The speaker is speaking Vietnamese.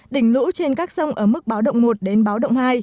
đỉnh lũ trên các sông ở mức báo động một đến báo động hai